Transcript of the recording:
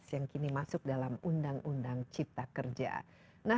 yang kini masuk dalam undang undang paten